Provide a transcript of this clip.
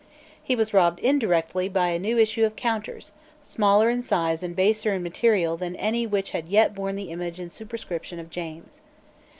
He was robbed indirectly by a new issue of counters, smaller in size and baser in material than any which had yet borne the image and superscription of James.